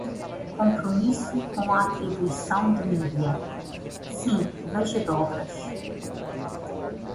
Compromisso com a atribuição de mídia: sim, veja dobras.